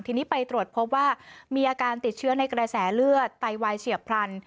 ทีนี้ไปตรวจพบว่ามีอาการติดเชื้อในกระแสเลือดไตวายเฉียบพลัน